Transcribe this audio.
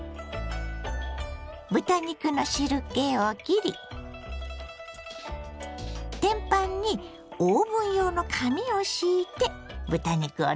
豚肉の汁けをきり天パンにオーブン用の紙を敷いて豚肉をのせます。